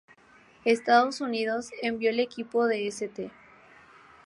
Estados Unidos envió el equipo de St.